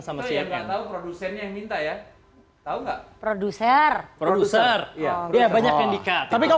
sama siapa tahu produsen yang minta ya tahu nggak produser produser banyak yang dikat tapi kau